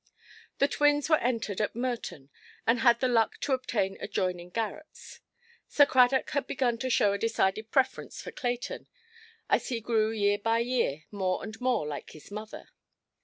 The twins were entered at Merton, and had the luck to obtain adjoining garrets. Sir Cradock had begun to show a decided preference for Clayton, as he grew year by year more and more like his mother.